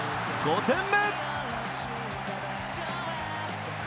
５点目！